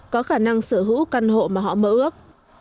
có khả năng sở hữu căn hộ mà họ mơ ước